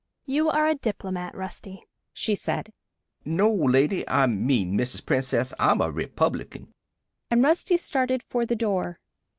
"You are a diplomat, Rusty," she said. "No, lady I mean, Mrs. Princess.... I'm a Republican," and Rusty started for the door.